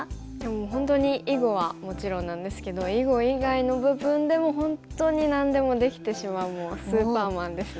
本当に囲碁はもちろんなんですけど囲碁以外の部分でも本当に何でもできてしまうもうスーパーマンですね。